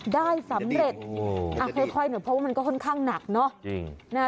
ได้สำเร็จค่อยหน่อยเพราะว่ามันก็ค่อนข้างหนักเนอะ